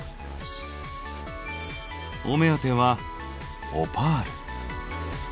お目当てはオパール。